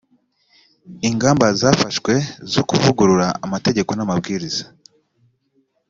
ingamba zafashwe zo kuvugurura amategeko n’amabwiriza